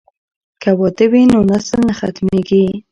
که واده وي نو نسل نه ختمیږي.